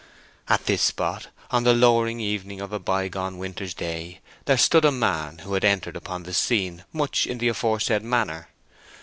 At this spot, on the lowering evening of a by gone winter's day, there stood a man who had entered upon the scene much in the aforesaid manner.